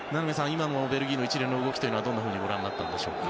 今のベルギーの一連の動きはどんなふうにご覧になったでしょうか。